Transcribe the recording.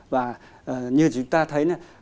và như chúng ta thấy